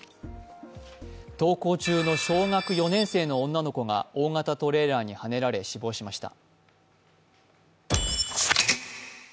登校中の小学４年生の女の子が大型トレーラーにはねられ、死亡しました。